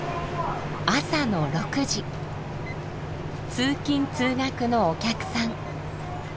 通勤通学のお客さん。